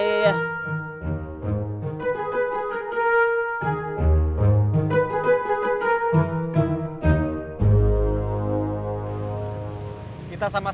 spevo muter rata patah voc